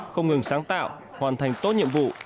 không ngừng sáng tạo hoàn thành tốt nhiệm vụ